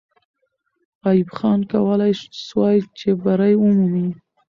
ایوب خان کولای سوای چې بری ومومي.